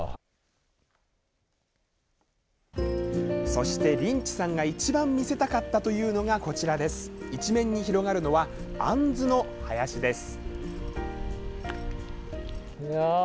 そして、リンチさんが一番見せたかったというのがこちらです、一面に広がるのはあんずの林です。